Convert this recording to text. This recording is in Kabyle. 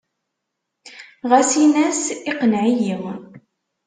Ɣas in-as iqenneɛ-iyi.